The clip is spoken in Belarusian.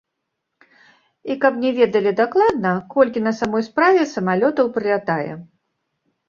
І каб не ведалі дакладна, колькі на самой справе самалётаў прылятае.